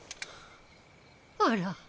あら。